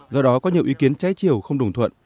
do đó có nhiều ý kiến trái chiều không đồng thuận